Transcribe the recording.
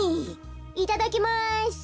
いただきます。